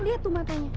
lihat tuh matanya